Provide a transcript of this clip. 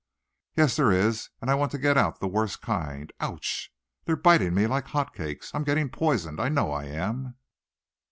"Yes there is; and I want to get out the worst kind! Ouch! they're biting me like hot cakes! I'm getting poisoned, I know I am!